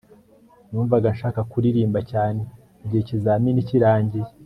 Numvaga nshaka kuririmba cyane igihe ikizamini kirangiye